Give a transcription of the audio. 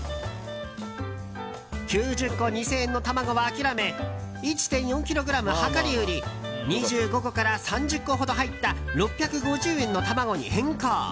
９０個２０００円の卵は諦め１．４ｋｇ量り売り２５個から３０個ほど入った６５０円の卵に変更。